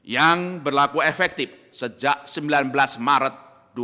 yang berlaku efektif sejak sembilan belas maret dua ribu dua puluh